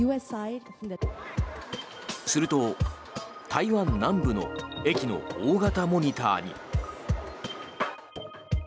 すると、台湾南部の駅の大型モニターに。